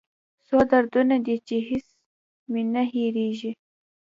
څو دردونه دي چې هېڅ مې نه هېریږي